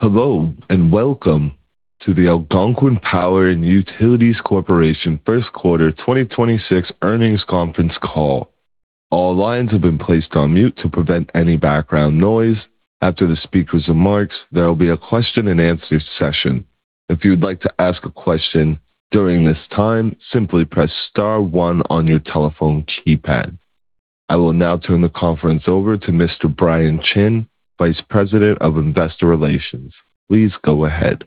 Hello, and welcome to the Algonquin Power & Utilities Corp. first quarter 2026 earnings conference call. All lines have been placed on mute to prevent any background noise. After the speaker's remarks, there will be a question-and-answer session. If you would like to ask a question during this time, simply press star one on your telephone keypad. I will now turn the conference over to Mr. Brian Chin, Vice President of Investor Relations. Please go ahead.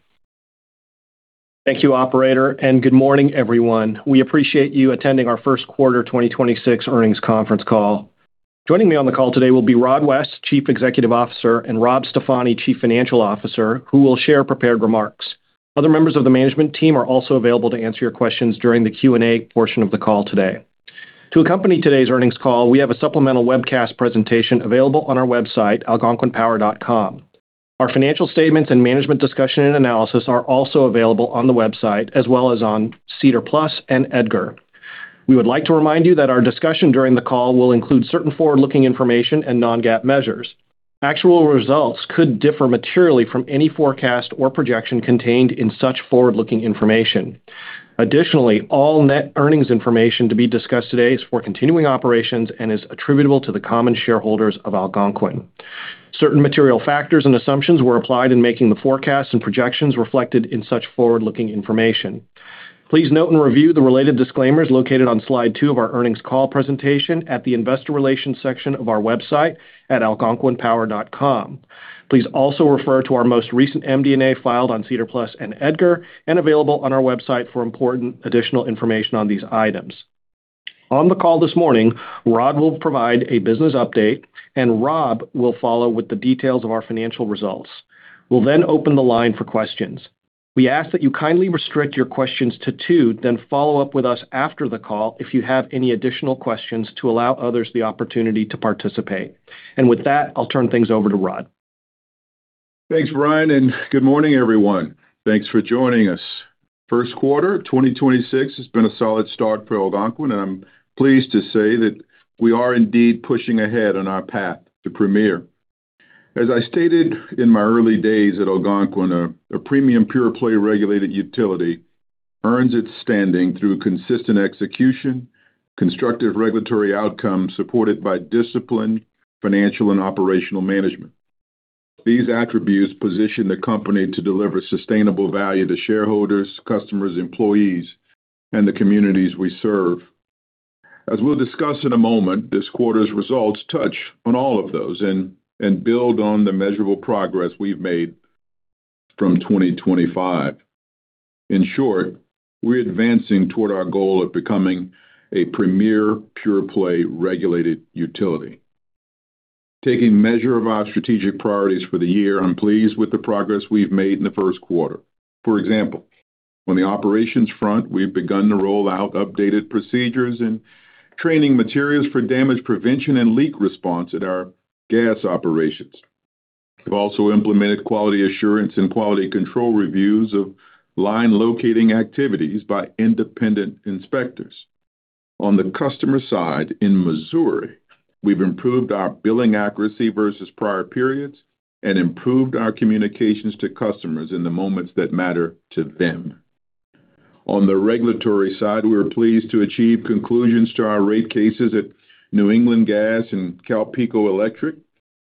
Thank you, operator. Good morning, everyone. We appreciate you attending our first quarter 2026 earnings conference call. Joining me on the call today will be Rod West, Chief Executive Officer, and Rob Stefani, Chief Financial Officer, who will share prepared remarks. Other members of the management team are also available to answer your questions during the Q&A portion of the call today. To accompany today's earnings call, we have a supplemental webcast presentation available on our website, algonquinpower.com. Our financial statements and management discussion and analysis are also available on the website as well as on SEDAR+ and EDGAR. We would like to remind you that our discussion during the call will include certain forward-looking information and non-GAAP measures. Actual results could differ materially from any forecast or projection contained in such forward-looking information. Additionally, all net earnings information to be discussed today is for continuing operations and is attributable to the common shareholders of Algonquin. Certain material factors and assumptions were applied in making the forecasts and projections reflected in such forward-looking information. Please note and review the related disclaimers located on slide two of our earnings call presentation at the investor relations section of our website at algonquinpower.com. Please also refer to our most recent MD&A filed on SEDAR+ and EDGAR and available on our website for important additional information on these items. On the call this morning, Rod will provide a business update, and Rob will follow with the details of our financial results. We'll open the line for questions. We ask that you kindly restrict your questions to two, then follow up with us after the call if you have any additional questions to allow others the opportunity to participate. With that, I'll turn things over to Rod. Thanks, Brian, and good morning, everyone. Thanks for joining us. 1st quarter 2026 has been a solid start for Algonquin, and I'm pleased to say that we are indeed pushing ahead on our Path to Premier. As I stated in my early days at Algonquin, a premium pure-play regulated utility earns its standing through consistent execution, constructive regulatory outcomes, supported by disciplined financial and operational management. These attributes position the company to deliver sustainable value to shareholders, customers, employees, and the communities we serve. As we'll discuss in a moment, this quarter's results touch on all of those and build on the measurable progress we've made from 2025. In short, we're advancing toward our goal of becoming a premier pure-play regulated utility. Taking measure of our strategic priorities for the year, I'm pleased with the progress we've made in the 1st quarter. For example, on the operations front, we've begun to roll out updated procedures and training materials for damage prevention and leak response at our gas operations. We've also implemented quality assurance and quality control reviews of line locating activities by independent inspectors. On the customer side in Missouri, we've improved our billing accuracy versus prior periods and improved our communications to customers in the moments that matter to them. On the regulatory side, we were pleased to achieve conclusions to our rate cases at New England Gas and CalPeco Electric,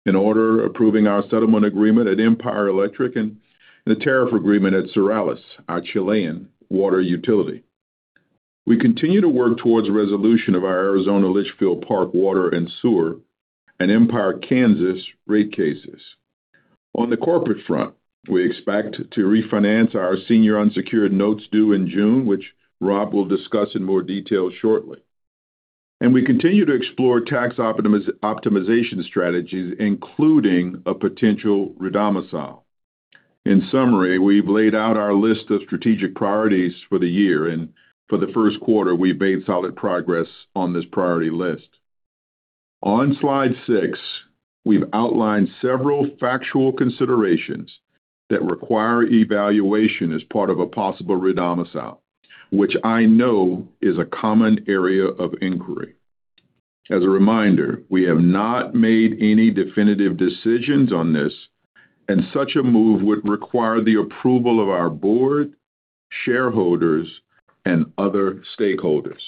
an order approving our settlement agreement at The Empire District Electric Co. and the tariff agreement at ESSAL, our Chilean water utility. We continue to work towards resolution of our Liberty Utilities (Litchfield Park Water & Sewer) Corp. and The Empire District Electric Co. rate cases. On the corporate front, we expect to refinance our senior unsecured notes due in June, which Rob will discuss in more detail shortly. We continue to explore tax optimization strategies, including a potential redomicile. In summary, we've laid out our list of strategic priorities for the year, and for the first quarter, we've made solid progress on this priority list. On slide six, we've outlined several factual considerations that require evaluation as part of a possible redomicile, which I know is a common area of inquiry. As a reminder, we have not made any definitive decisions on this, and such a move would require the approval of our board, shareholders, and other stakeholders.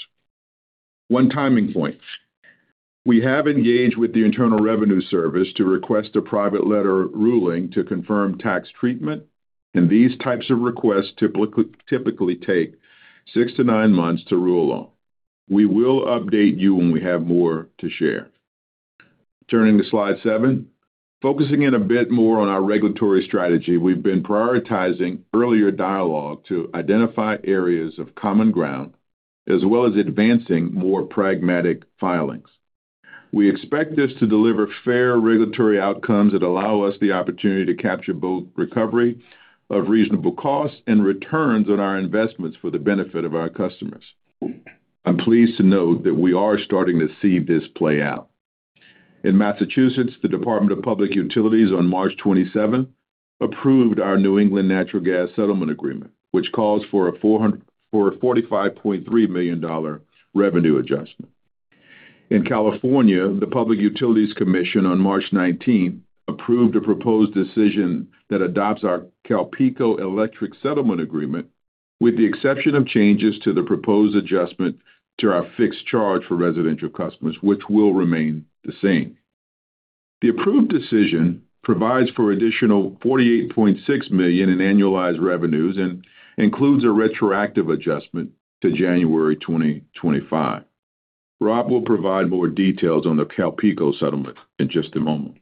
One timing point. We have engaged with the Internal Revenue Service to request a private letter ruling to confirm tax treatment, and these types of requests typically take six to nine months to rule on. We will update you when we have more to share. Turning to slide seven. Focusing in a bit more on our regulatory strategy, we've been prioritizing earlier dialogue to identify areas of common ground, as well as advancing more pragmatic filings. We expect this to deliver fair regulatory outcomes that allow us the opportunity to capture both recovery of reasonable costs and returns on our investments for the benefit of our customers. I'm pleased to note that we are starting to see this play out. In Massachusetts, the Department of Public Utilities on March 27th approved our New England Natural Gas settlement agreement, which calls for a $45.3 million revenue adjustment. In California, the Public Utilities Commission on March 19th approved a proposed decision that adopts our CalPeco Electric settlement agreement, with the exception of changes to the proposed adjustment to our fixed charge for residential customers, which will remain the same. The approved decision provides for additional $48.6 million in annualized revenues and includes a retroactive adjustment to January 2025. Rob will provide more details on the CalPeco settlement in just a moment.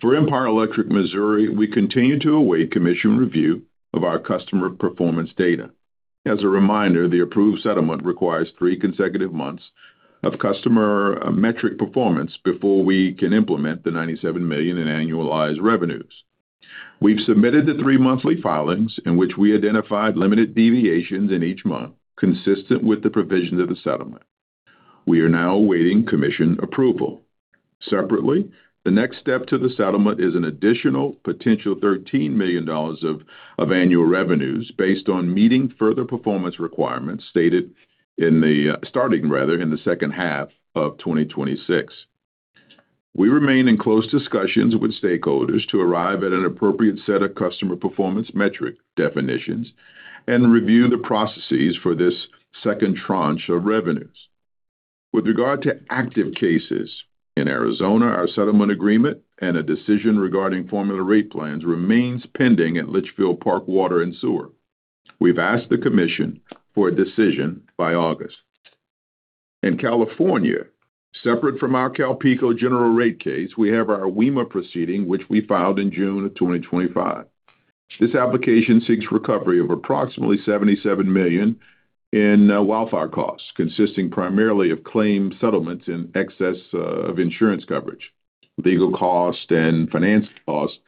For Empire Electric Missouri, we continue to await commission review of our customer performance data. As a reminder, the approved settlement requires three consecutive months of customer metric performance before we can implement the $97 million in annualized revenues. We've submitted the three monthly filings in which we identified limited deviations in each month, consistent with the provisions of the settlement. We are now awaiting Commission approval. Separately, the next step to the settlement is an additional potential $13 million of annual revenues based on meeting further performance requirements stated in the starting rather in the second half of 2026. We remain in close discussions with stakeholders to arrive at an appropriate set of customer performance metric definitions and review the processes for this second tranche of revenues. With regard to active cases, in Arizona, our settlement agreement and a decision regarding formula rate plans remains pending at Litchfield Park Water and Sewer. We've asked the Commission for a decision by August. In California, separate from our CalPeco general rate case, we have our WEMA proceeding, which we filed in June of 2025. This application seeks recovery of approximately $77 million in wildfire costs, consisting primarily of claim settlements in excess of insurance coverage, legal costs, and finance costs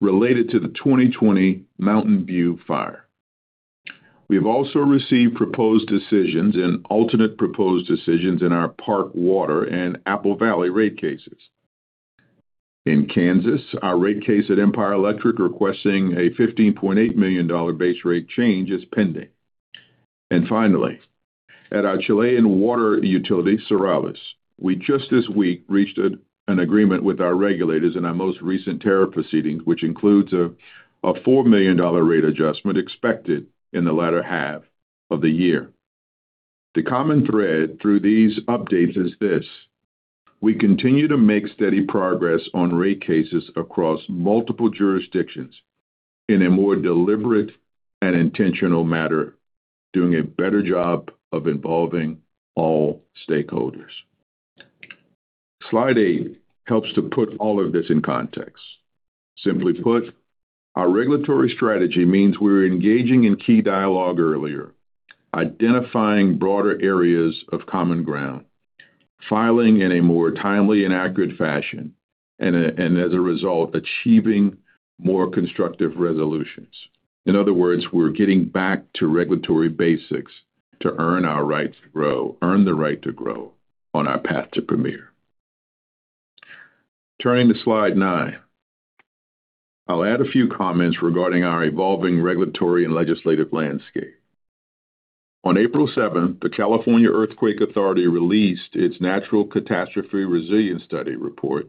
related to the 2020 Mountain View Fire. We've also received proposed decisions and alternate proposed decisions in our Park Water and Apple Valley rate cases. In Kansas, our rate case at Empire Electric requesting a $15.8 million base rate change is pending. Finally, at our Chilean water utility, ESSAL, we just this week reached an agreement with our regulators in our most recent tariff proceedings, which includes a $4 million rate adjustment expected in the latter half of the year. The common thread through these updates is this: We continue to make steady progress on rate cases across multiple jurisdictions in a more deliberate and intentional manner, doing a better job of involving all stakeholders. Slide eight helps to put all of this in context. Simply put, our regulatory strategy means we're engaging in key dialogue earlier, identifying broader areas of common ground, filing in a more timely and accurate fashion, and as a result, achieving more constructive resolutions. In other words, we're getting back to regulatory basics to earn our rights to grow, earn the right to grow on our Path to Premier. Turning to slide nine. I'll add a few comments regarding our evolving regulatory and legislative landscape. On April 7, the California Earthquake Authority released its Natural Catastrophe Resilience Study report,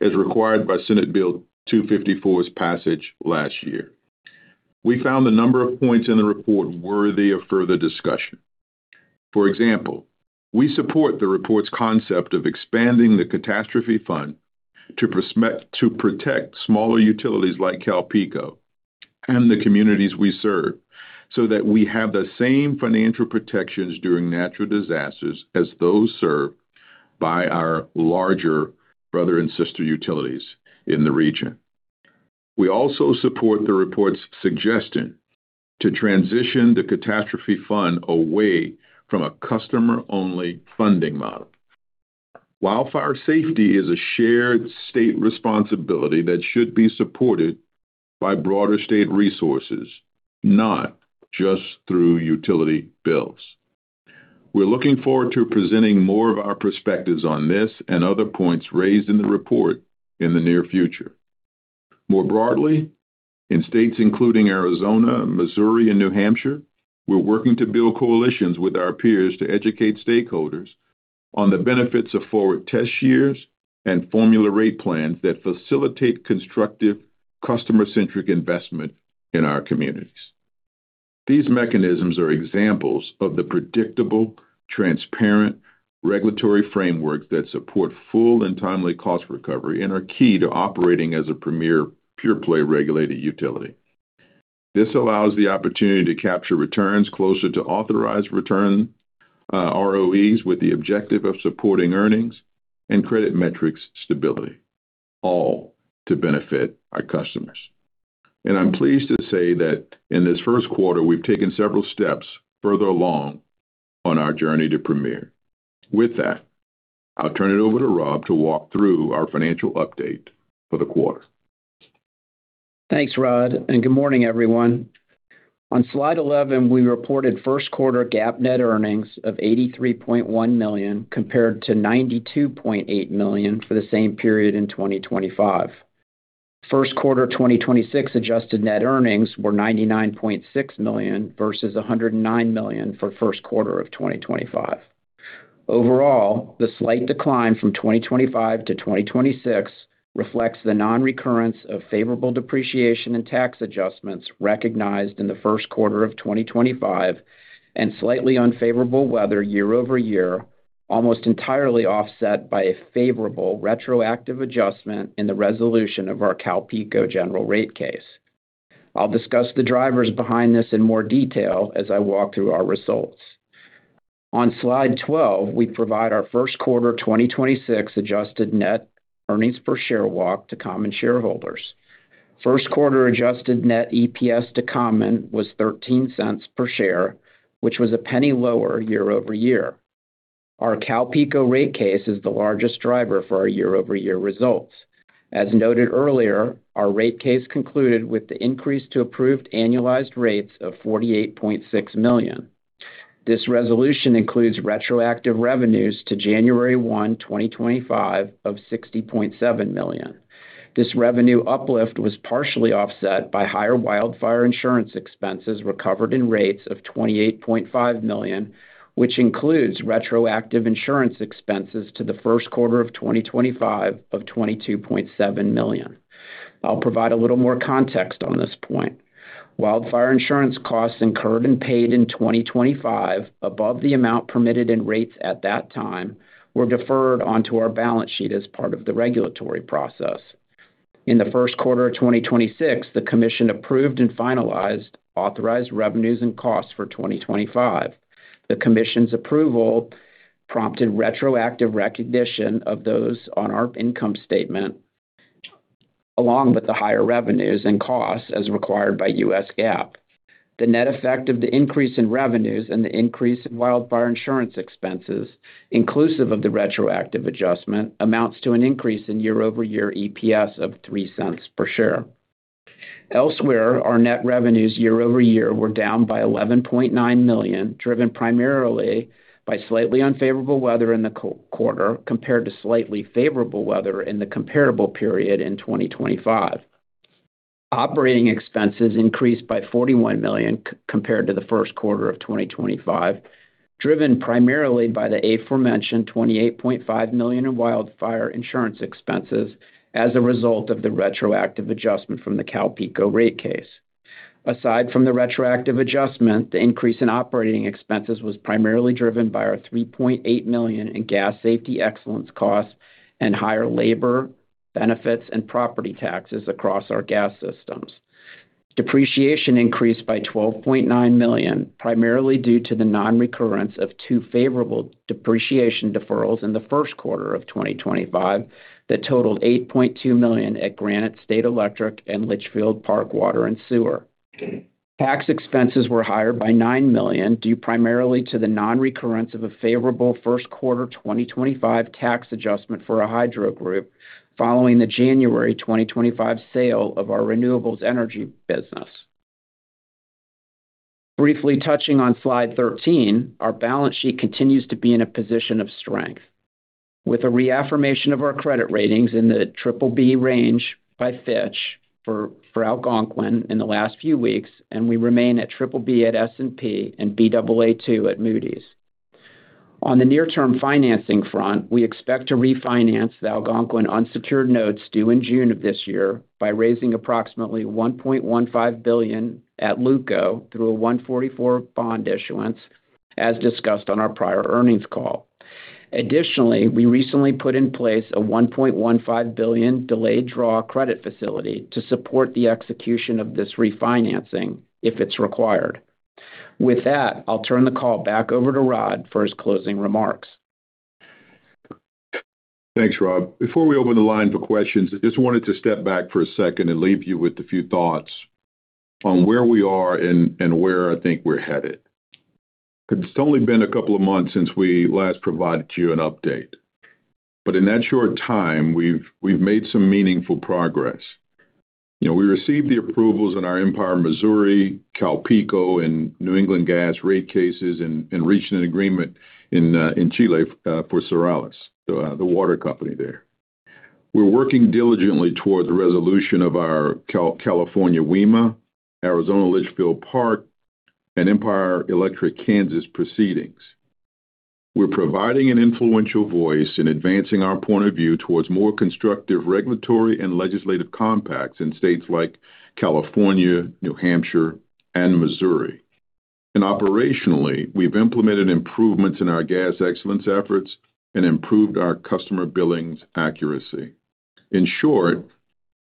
as required by Senate Bill 254's passage last year. We found a number of points in the report worthy of further discussion. For example, we support the report's concept of expanding the catastrophe fund to protect smaller utilities like CalPeco and the communities we serve, so that we have the same financial protections during natural disasters as those served by our larger brother and sister utilities in the region. We also support the report's suggestion to transition the catastrophe fund away from a customer-only funding model. Wildfire safety is a shared state responsibility that should be supported by broader state resources, not just through utility bills. We're looking forward to presenting more of our perspectives on this and other points raised in the report in the near future. More broadly, in states including Arizona, Missouri, and New Hampshire, we're working to build coalitions with our peers to educate stakeholders on the benefits of forward test years and formula rate plans that facilitate constructive customer-centric investment in our communities. These mechanisms are examples of the predictable, transparent regulatory frameworks that support full and timely cost recovery and are key to operating as a premier pure-play regulated utility. This allows the opportunity to capture returns closer to authorized return, ROEs, with the objective of supporting earnings and credit metrics stability, all to benefit our customers. I'm pleased to say that in this first quarter, we've taken several steps further along on our journey to Premier. With that, I'll turn it over to Rob to walk through our financial update for the quarter. Thanks, Rod, good morning, everyone. On slide 11, we reported first quarter GAAP net earnings of $83.1 million compared to $92.8 million for the same period in 2025. First quarter 2026 adjusted net earnings were $99.6 million versus $109 million for first quarter of 2025. Overall, the slight decline from 2025 to 2026 reflects the non-recurrence of favorable depreciation and tax adjustments recognized in the first quarter of 2025 and slightly unfavorable weather year-over-year, almost entirely offset by a favorable retroactive adjustment in the resolution of our CalPeco general rate case. I'll discuss the drivers behind this in more detail as I walk through our results. On slide 12, we provide our first quarter 2026 adjusted net earnings per share walk to common shareholders. First quarter adjusted net EPS to common was $0.13 per share, which was a penny lower year-over-year. Our CalPeco rate case is the largest driver for our year-over-year results. As noted earlier, our rate case concluded with the increase to approved annualized rates of $48.6 million. This resolution includes retroactive revenues to January 1, 2025 of $60.7 million. This revenue uplift was partially offset by higher wildfire insurance expenses recovered in rates of $28.5 million, which includes retroactive insurance expenses to the first quarter of 2025 of $22.7 million. I'll provide a little more context on this point. Wildfire insurance costs incurred and paid in 2025 above the amount permitted in rates at that time were deferred onto our balance sheet as part of the regulatory process. In the first quarter of 2026, the commission approved and finalized authorized revenues and costs for 2025. The commission's approval prompted retroactive recognition of those on our income statement, along with the higher revenues and costs as required by US GAAP. The net effect of the increase in revenues and the increase in wildfire insurance expenses, inclusive of the retroactive adjustment, amounts to an increase in year-over-year EPS of $0.03 per share. Elsewhere, our net revenues year-over-year were down by $11.9 million, driven primarily by slightly unfavorable weather in the quarter compared to slightly favorable weather in the comparable period in 2025. Operating expenses increased by $41 million compared to the first quarter of 2025, driven primarily by the aforementioned $28.5 million in wildfire insurance expenses as a result of the retroactive adjustment from the CalPeco rate case. Aside from the retroactive adjustment, the increase in operating expenses was primarily driven by our $3.8 million in Gas Safety Excellence costs and higher labor benefits and property taxes across our gas systems. Depreciation increased by $12.9 million, primarily due to the non-recurrence of two favorable depreciation deferrals in the first quarter of 2025 that totaled $8.2 million at Granite State Electric and Litchfield Park Water and Sewer. Tax expenses were higher by $9 million, due primarily to the non-recurrence of a favorable first quarter 2025 tax adjustment for our hydro group following the January 2025 sale of our renewables energy business. Briefly touching on slide 13, our balance sheet continues to be in a position of strength with a reaffirmation of our credit ratings in the BBB range by Fitch for Algonquin in the last few weeks, and we remain at BBB at S&P and Baa2 at Moody's. On the near-term financing front, we expect to refinance the Algonquin unsecured notes due in June of this year by raising approximately $1.15 billion at LUCO through a 144A bond issuance, as discussed on our prior earnings call. Additionally, we recently put in place a $1.15 billion delayed draw credit facility to support the execution of this refinancing if it's required. With that, I'll turn the call back over to Rod for his closing remarks. Thanks, Rob. Before we open the line for questions, I just wanted to step back for a second and leave you with a few thoughts on where we are and where I think we're headed. It's only been a couple of months since we last provided you an update. In that short time, we've made some meaningful progress. You know, we received the approvals in our Empire, Missouri, CalPeco Electric, and New England Gas rate cases and reached an agreement in Chile for ESSAL, the water company there. We're working diligently toward the resolution of our California WEMA, Arizona Litchfield Park, and Empire Electric Kansas proceedings. We're providing an influential voice in advancing our point of view towards more constructive regulatory and legislative compacts in states like California, New Hampshire, and Missouri. Operationally, we've implemented improvements in our gas excellence efforts and improved our customer billings accuracy. In short,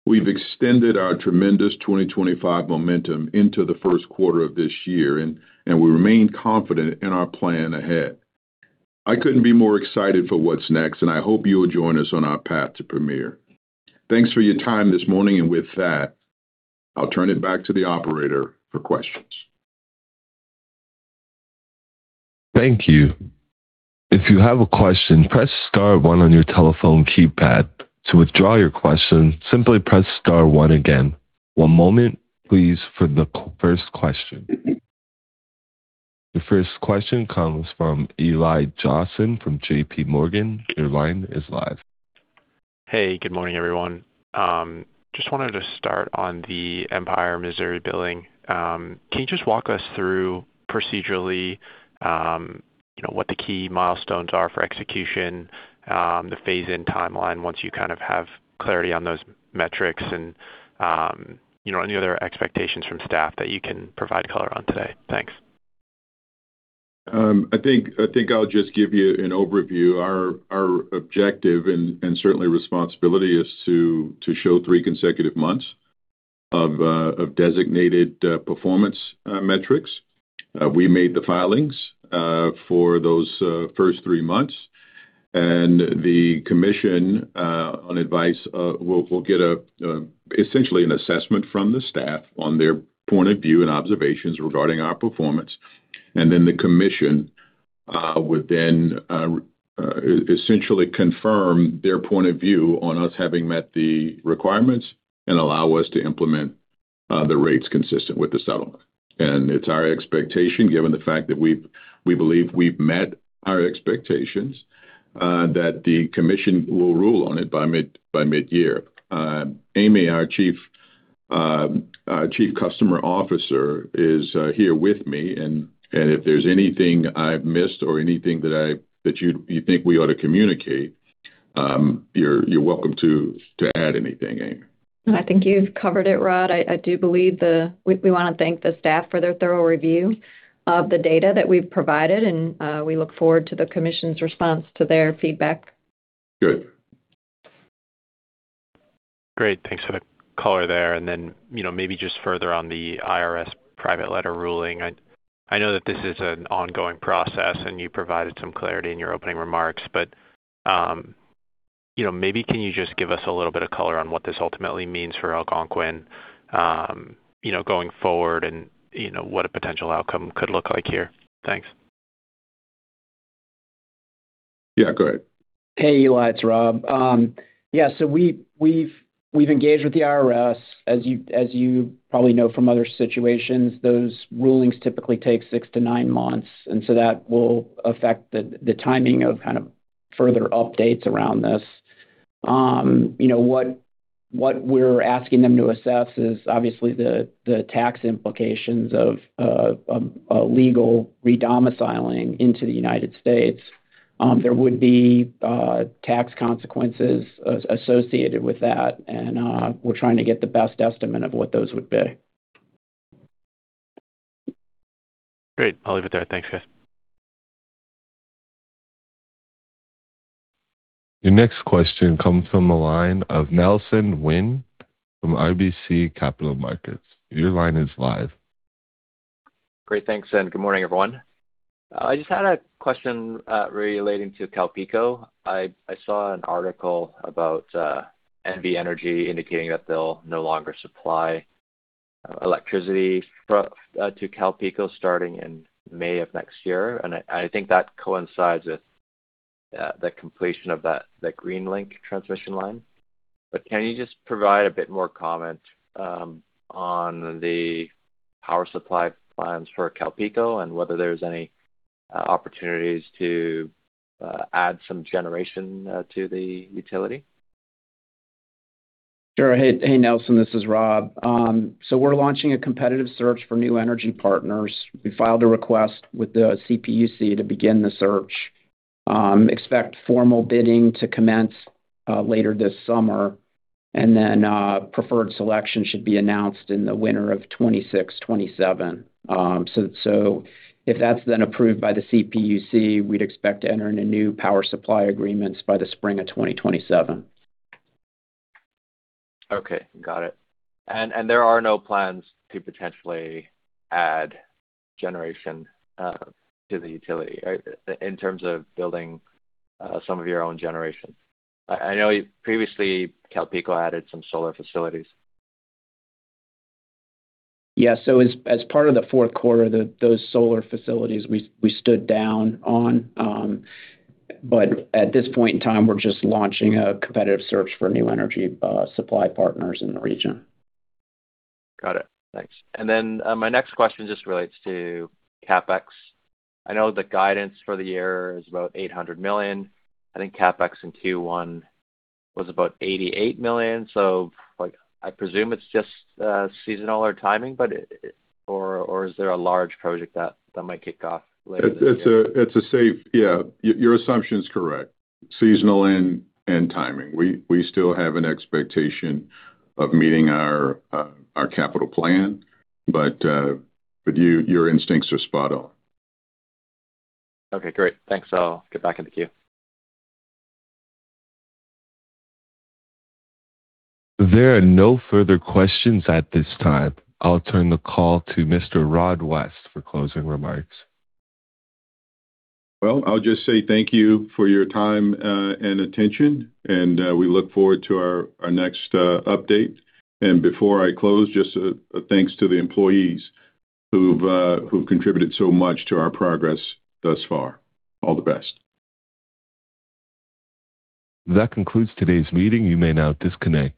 we've extended our tremendous 2025 momentum into the first quarter of this year, and we remain confident in our plan ahead. I couldn't be more excited for what's next, and I hope you will join us on our Path to Premier. Thanks for your time this morning. With that, I'll turn it back to the operator for questions. Thank you. If you have a question, press star one on your telephone keypad. To withdraw your question, simply press star one again. One moment, please, for the first question. The first question comes from Eli Josson from JPMorgan. Your line is live. Hey, good morning, everyone. Just wanted to start on the Empire, Missouri billing. Can you just walk us through procedurally, you know, what the key milestones are for execution, the phase-in timeline once you kind of have clarity on those metrics and, you know, any other expectations from staff that you can provide color on today? Thanks. I think I'll just give you an overview. Our objective and certainly responsibility is to show three consecutive months of designated performance metrics. We made the filings for those first three months. The commission on advice will get essentially an assessment from the staff on their point of view and observations regarding our performance. Then the commission would then essentially confirm their point of view on us having met the requirements and allow us to implement the rates consistent with the settlement. It's our expectation, given the fact that we believe we've met our expectations, that the commission will rule on it by mid-year. Amy, our Chief Customer Officer, is here with me, and if there's anything I've missed or anything that you think we ought to communicate, you're welcome to add anything, Amy. I think you've covered it, Rod. We want to thank the staff for their thorough review of the data that we've provided, and we look forward to the Commission's response to their feedback. Good. Great. Thanks for the color there. Then, you know, maybe just further on the IRS private letter ruling. I know that this is an ongoing process, and you provided some clarity in your opening remarks, but, you know, maybe can you just give us a little bit of color on what this ultimately means for Algonquin, you know, going forward and, you know, what a potential outcome could look like here? Thanks. Yeah, go ahead. Hey, Eli, it's Rob. Yeah, we've engaged with the IRS. As you probably know from other situations, those rulings typically take six to nine months. That will affect the timing of further updates around this. You know, what we're asking them to assess is obviously the tax implications of a legal re-domiciling into the United States. There would be tax consequences associated with that and we're trying to get the best estimate of what those would be. Great. I'll leave it there. Thanks, guys. Your next question comes from the line of Nelson Ng from RBC Capital Markets. Your line is live. Great. Thanks, good morning, everyone. I just had a question, relating to CalPeco Electric. I saw an article about NV Energy indicating that they'll no longer supply electricity to CalPeco Electric starting in May of next year. I think that coincides with the completion of that Greenlink transmission line. Can you just provide a bit more comment on the power supply plans for CalPeco Electric and whether there's any opportunities to add some generation to the utility? Sure. Hey, hey, Nelson, this is Rob. We're launching a competitive search for new energy partners. We filed a request with the CPUC to begin the search. Expect formal bidding to commence later this summer, preferred selection should be announced in the winter of 2026, 2027. If that's approved by the CPUC, we'd expect to enter into new power supply agreements by the spring of 2027. Okay, got it. There are no plans to potentially add generation to the utility or in terms of building some of your own generation. I know previously CalPeco Electric added some solar facilities. As part of the fourth quarter, those solar facilities we stood down on, at this point in time, we're just launching a competitive search for new energy supply partners in the region. Got it. Thanks. My next question just relates to CapEx. I know the guidance for the year is about $800 million. I think CapEx in Q1 was about $88 million. Like, I presume it's just seasonal or timing, or is there a large project that might kick off later this year? Yeah, your assumption is correct, seasonal and timing. We still have an expectation of meeting our capital plan, but your instincts are spot on. Okay, great. Thanks. I'll get back in the queue. There are no further questions at this time. I'll turn the call to Mr. Rod West for closing remarks. Well, I'll just say thank you for your time, and attention, and we look forward to our next update. Before I close, just a thanks to the employees who've contributed so much to our progress thus far. All the best. That concludes today's meeting. You may now disconnect.